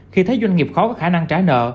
khi thấy doanh nghiệp khó có khả năng trả nợ